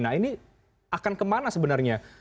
nah ini akan kemana sebenarnya